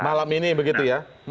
malam ini begitu ya